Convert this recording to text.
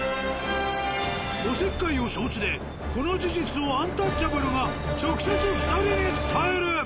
おせっかいを承知でこの事実をアンタッチャブルが直接２人に伝える！